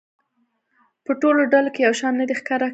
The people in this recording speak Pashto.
په ټولو ډلو کې یو شان نه دی ښکاره شوی.